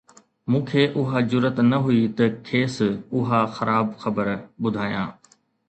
مون کي اها جرئت نه هئي ته کيس اها خراب خبر ٻڌايان